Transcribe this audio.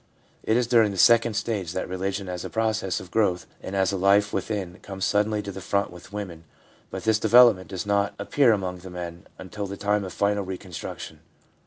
It is during the second stage that religion as a process of growth and as a life within comes suddenly to the front with women, but this development does not appear among the men until the time of final reconstruc tion.